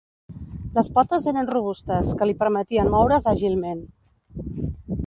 Les potes eren robustes que li permetien moure's àgilment.